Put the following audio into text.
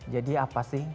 jadi apa sih